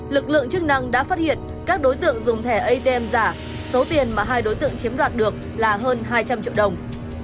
lực lượng chức năng đã phát hiện các đối tượng dùng thẻ atm giả số tiền mà hai đối tượng chiếm đoạt được là hơn hai trăm linh triệu đồng